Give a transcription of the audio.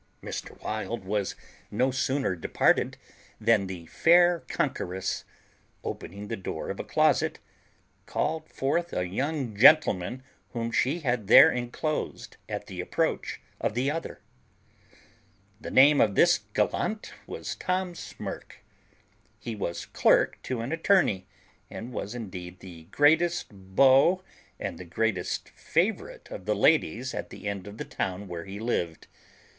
Mr. Wild was no sooner departed than the fair conqueress, opening the door of a closet, called forth a young gentleman whom she had there enclosed at the approach of the other. The name of this gallant was Tom Smirk. He was clerk to an attorney, and was indeed the greatest beau and the greatest favourite of the ladies at the end of the town where he lived.